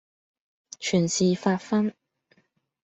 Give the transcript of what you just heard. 全是發昏；